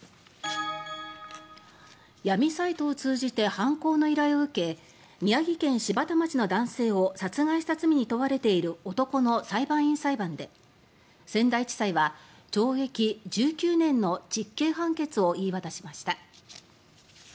闇サイトを通じて犯行の依頼を受け宮城県柴田町の男性を殺害した罪に問われている男の裁判員裁判で仙台地裁は懲役１９年の実刑判決を言い渡しました。